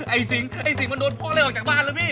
ไอ้สิงไอ้สิงมันโดนพ่อไล่ออกจากบ้านแล้วพี่